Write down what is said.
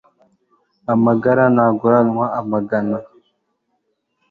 amagara ntaguranwa amagana